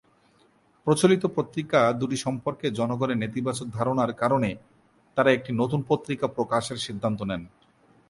প্রচলিত পত্রিকা দুটি সম্পর্কে জনগণের নেতিবাচক ধারণার কারণে তারা একটি নতুন পত্রিকা প্রকাশের সিদ্ধান্ত নেন।